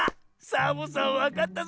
サボさんわかったぞ。